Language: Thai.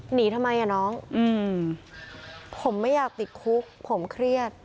หนีทำไมอ่ะน้องอืมผมไม่อยากติดคุกผมเครียด